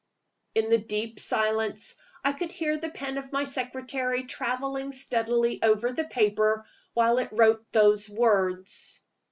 In the deep silence I could hear the pen of my secretary traveling steadily over the paper while it wrote those words.